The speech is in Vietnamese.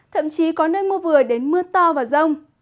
thậm chí có nơi mưa vừa đến mưa to và rông